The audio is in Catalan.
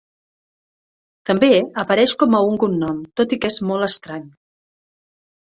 També apareix com a un cognom, tot i que és molt estrany.